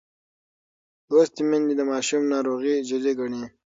لوستې میندې د ماشوم ناروغي جدي ګڼي.